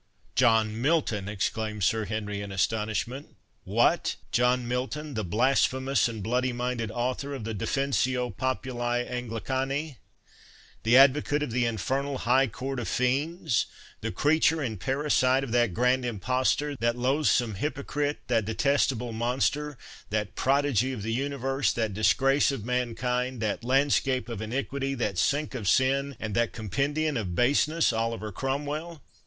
"John Milton!" exclaimed Sir Henry in astonishment—"What! John Milton, the blasphemous and bloody minded author of the Defensio Populi Anglicani!—the advocate of the infernal High Court of Fiends; the creature and parasite of that grand impostor, that loathsome hypocrite, that detestable monster, that prodigy of the universe, that disgrace of mankind, that landscape of iniquity, that sink of sin, and that compendium of baseness, Oliver Cromwell!"